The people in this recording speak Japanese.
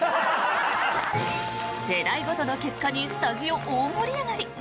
世代ごとの結果にスタジオ、大盛り上がり！